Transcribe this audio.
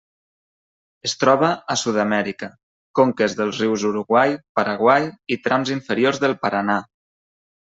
Es troba a Sud-amèrica: conques dels rius Uruguai, Paraguai i trams inferiors del Paranà.